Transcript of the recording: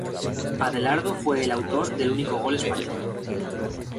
Adelardo fue el autor del único gol español.